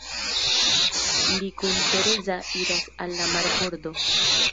Li kun Tereza iras al la marbordo.